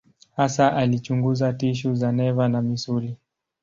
Hasa alichunguza tishu za neva na misuli.